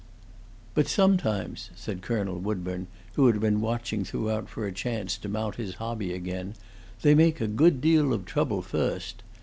"But sometimes," said Colonel Woodburn, who had been watching throughout. for a chance to mount his hobby again, "they make a good deal of trouble first.